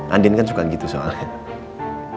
andin kan suka gitu soalnya